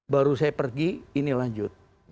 baru saya pergi ini lanjut